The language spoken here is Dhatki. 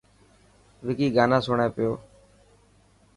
وڪي گانا سوڻي پيو.